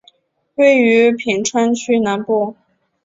位于品川区南部。